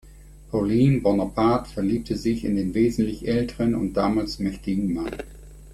Pauline Bonaparte verliebte sich in den wesentlich älteren und damals mächtigen Mann.